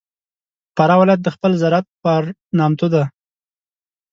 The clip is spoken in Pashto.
فراه ولایت د خپل زراعت په پار نامتو دی.